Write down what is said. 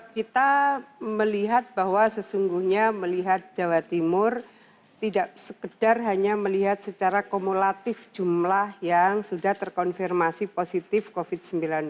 kita melihat bahwa sesungguhnya melihat jawa timur tidak sekedar hanya melihat secara kumulatif jumlah yang sudah terkonfirmasi positif covid sembilan belas